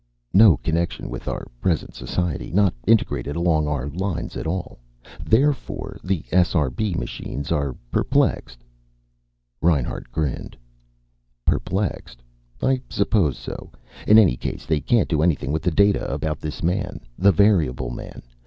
No connection with our present society. Not integrated along our lines at all. Therefore the SRB machines are perplexed." Reinhart grinned. "Perplexed? I suppose so. In any case, they can't do anything with the data about this man. The variable man.